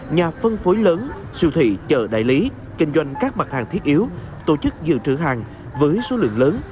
nhà phân phối lớn siêu thị chợ đại lý kinh doanh các mặt hàng thiết yếu tổ chức dự trữ hàng với số lượng lớn